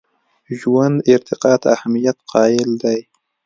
ژوند ارتقا ته اهمیت قایل دی.